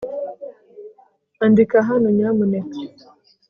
andika hano, nyamuneka